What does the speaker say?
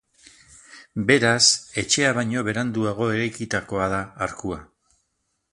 Beraz, etxea baino beranduago eraikitakoa da arkua.